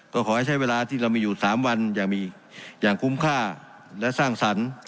ก็ขอให้ใช้เวลาที่เรามีอยู่๓วันอย่างมีอย่างคุ้มค่าและสร้างสรรค์